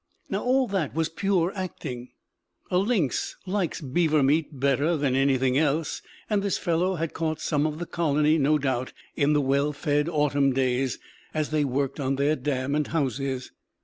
Now all that was pure acting. A lynx likes beaver meat better than anything else; and this fellow had caught some of the colony, no doubt, in the well fed autumn days, as they worked on their dam and houses.